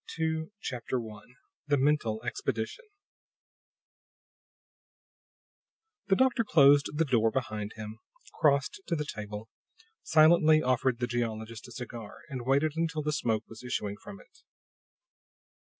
THE EMANCIPATRIX I THE MENTAL EXPEDITION The doctor closed the door behind him, crossed to the table, silently offered the geologist a cigar, and waited until smoke was issuing from it.